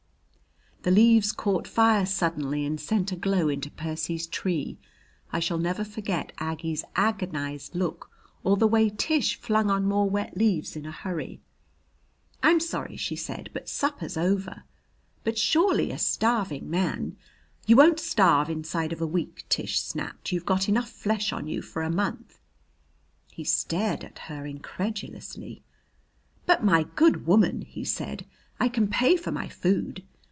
The leaves caught fire suddenly and sent a glow into Percy's tree. I shall never forget Aggie's agonized look or the way Tish flung on more wet leaves in a hurry. "I'm sorry," she said, "but supper's over." "But surely a starving man " "You won't starve inside of a week," Tish snapped. "You've got enough flesh on you for a month." He stared at her incredulously. "But, my good woman," he said, "I can pay for my food.